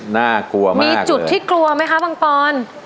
น่ากลัวมากมีจุดที่กลัวไหมคะบังปอน